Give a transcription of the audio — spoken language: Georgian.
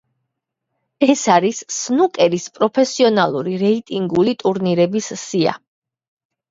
ეს არის სნუკერის პროფესიონალური რეიტინგული ტურნირების სია.